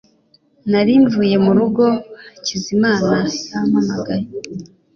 nari mvuye murugo hakizimana yampamagaye